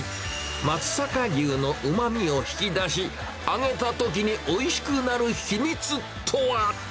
松阪牛のうまみを引き出し、揚げたときにおいしくなる秘密とは？